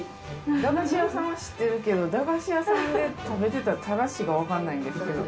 駄菓子屋さんは知ってるけど駄菓子屋さんで食べてたたらしがわかんないんですけど。